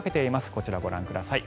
こちらご覧ください。